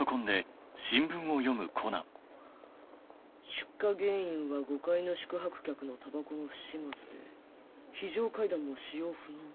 出火原因は５階の宿泊客のタバコの不始末で非常階段も使用不能